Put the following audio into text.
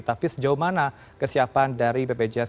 tapi sejauh mana kesiapan dari bpjs